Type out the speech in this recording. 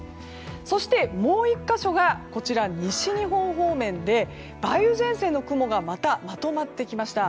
そして、もう１か所が西日本方面で梅雨前線の雲がまたまとまってきました。